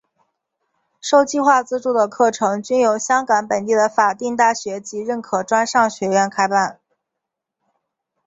受计划资助的课程均由香港本地的法定大学及认可专上学院开办。